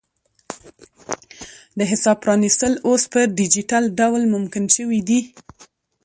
د حساب پرانیستل اوس په ډیجیټل ډول ممکن شوي دي.